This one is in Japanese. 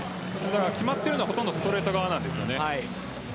決まっているのはほとんどストレート側なんです。